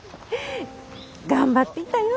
頑張っていたよ！